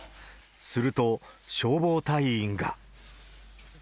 すると、消防隊員が。